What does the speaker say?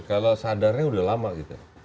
tapi pak cepi kalau sadarnya sudah lama gitu